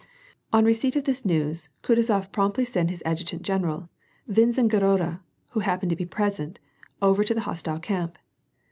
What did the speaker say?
On the receipt of this news, Kutuzof promptly sent his adju tant general, Winzengerode, who happened to be present, over to the hostile camp.